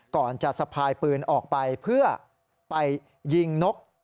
ก่อนจะสะพายปืนออกไปเพื่อไปยิงนก